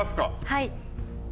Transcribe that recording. はい。